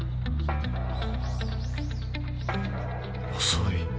遅い。